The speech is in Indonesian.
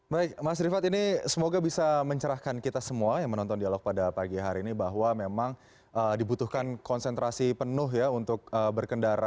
baik mas rifat ini semoga bisa mencerahkan kita semua yang menonton dialog pada pagi hari ini bahwa memang dibutuhkan konsentrasi penuh ya untuk berkendara